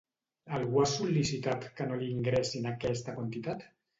Algú ha sol·licitat que no li ingressin aquesta quantitat?